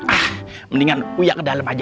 ah mendingan uya ke dalem aja